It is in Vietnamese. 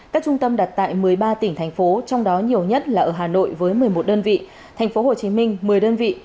các trung tâm đặt tại một mươi ba tỉnh thành phố trong đó nhiều nhất là ở hà nội với một mươi một đơn vị tp hcm một mươi đơn vị